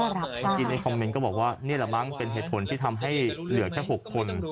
คุณคุณคนอาจารย์บางทีในคอมเม้นท์ก็บอกว่าเนี้ยก็เป็นเหตุผลที่ทำให้เหลือแค่หกคน